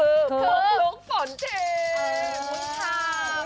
ปุกลุกฝนเทม